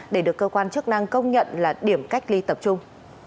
để được cơ quan chức năng công nhận là điểm cách ly tập trung